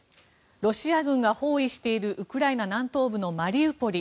ロシア軍が包囲しているウクライナ南東部のマリウポリ。